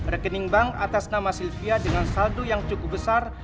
rekening bank atas nama sylvia dengan saldo yang cukup besar